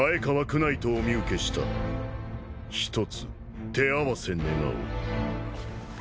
ひとつ手合わせ願おう。